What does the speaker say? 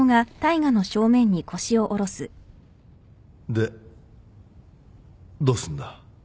でどうすんだ？